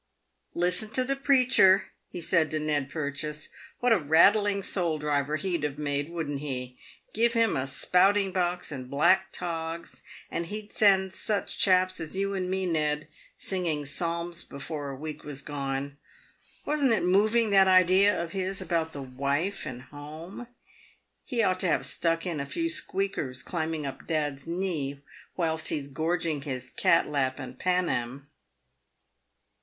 "Listen to the preacher," he said to Ned Purchase; "what a rattling soul driver he'd have made, wouldn't he. Give him a spout ing box and black togs and he'd send such chaps as you and me, 280 PAVED WITH GOLD. Ned, singing psalms before a week was gone. Wasn't it moving that idea of his about the wife and home ? He ought to have stuck in a few squeakers climbing up dad's knee whilst he's gorging his cat lap and panam."